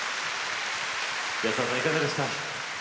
保田さん、いかがでした？